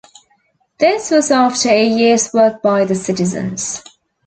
This was after a year's work by the citizens.